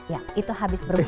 ya itu habis berbuka